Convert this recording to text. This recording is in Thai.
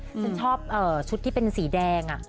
ฉันชอบชุดที่เป็นสีแดง